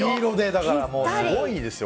だからすごいですよ。